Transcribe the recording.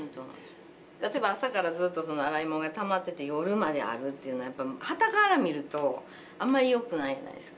例えば朝からずっと洗い物がたまってて夜まであるっていうのはやっぱはたから見るとあまりよくないじゃないですか。